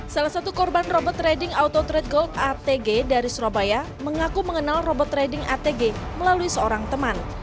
salah satu korban robot trading autotrade gold atg dari surabaya mengaku mengenal robot trading atg melalui seorang teman